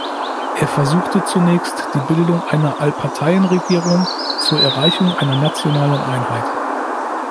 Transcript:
Er versuchte zunächst die Bildung einer Allparteienregierung zur Erreichung einer nationalen Einheit.